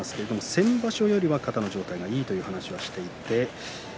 先場所よりは肩の状態はいいという話をしています。